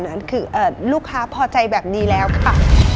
นั้นคือลูกค้าพอใจแบบนี้แล้วค่ะ